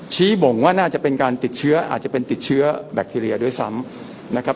บ่งว่าน่าจะเป็นการติดเชื้ออาจจะเป็นติดเชื้อแบคทีเรียด้วยซ้ำนะครับ